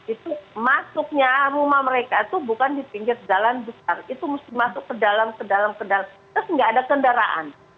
itu masuknya rumah mereka itu bukan di pinggir jalan besar itu mesti masuk ke dalam ke dalam ke dalam terus nggak ada kendaraan